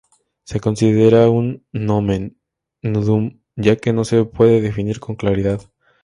Se considera un "nomen nudum", ya que no se puede definir con claridad.